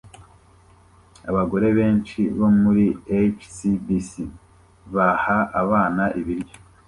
Abagore benshi bo muri HSBC baha abana ibiryo